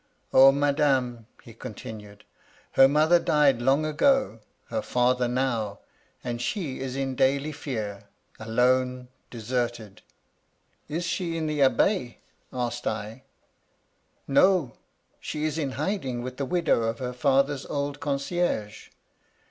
"' O madame I' he continued, * her mother died long ago— her father now — and she is in daily fear, — alone, deserted '"* Is she in the Abbaye ?' asked I. "' No ! She is in hiding with the widow of her father's old concierge.